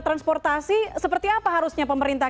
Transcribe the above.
transportasi seperti apa harusnya pemerintah